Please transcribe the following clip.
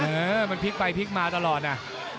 เออมันพลิกไปพลิกมาตลอดนะ